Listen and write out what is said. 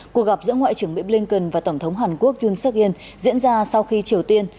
cuộc gặp giữa ngoại trưởng mỹ blinken và tổng thống hàn quốc yun seok in diễn ra sau khi triều tiên